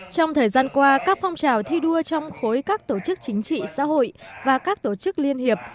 trong thời gian qua các phong trào thi đua trong khối các tổ chức chính trị xã hội và các tổ chức liên hiệp